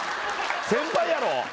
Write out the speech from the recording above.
先輩やろ！